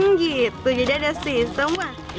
hmm gitu jadi ada sistem wah